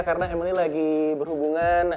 karena emang ini lagi berhubungan